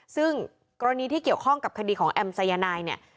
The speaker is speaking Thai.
ซึ่งกรณีที่เกี่ยวข้องกับคดีของแอมสายนายเนี่ย